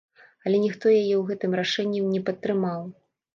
Але ніхто яе ў гэтым рашэнні не падтрымаў.